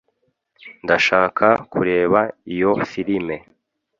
ndashaka kureba iyo firime